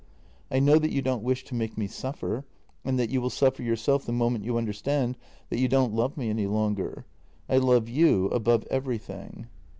I know that you don't wish to make me suffer, and that you will suffer yourself the moment you understand that you don't love me any longer. I love you above everything."